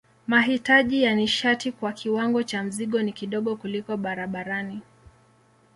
Mahitaji ya nishati kwa kiwango cha mzigo ni kidogo kuliko barabarani.